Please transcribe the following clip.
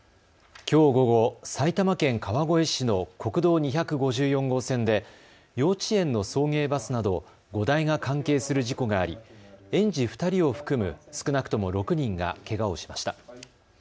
きょう午後、埼玉県川越市の国道２５４号線で幼稚園の送迎バスなど５台が関係する事故があり、園児２人を含む少なくとも６人がけがをしました。